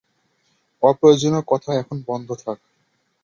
অপ্রয়োজনীয় কথা এখন বন্ধ থাক।